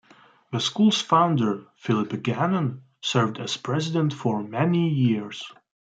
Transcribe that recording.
The school's founder, Phillip Gannon, served as president for many years.